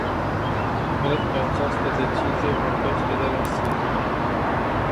Cred că această decizie vorbește de la sine.